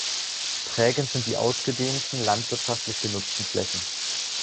Prägend sind die ausgedehnten, landwirtschaftlich genutzten Flächen.